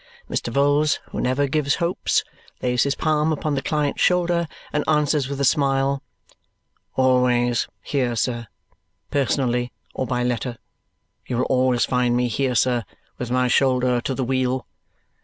Mr. Vholes, who never gives hopes, lays his palm upon the client's shoulder and answers with a smile, "Always here, sir. Personally, or by letter, you will always find me here, sir, with my shoulder to the wheel."